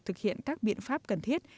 thực hiện các biện pháp cần thiết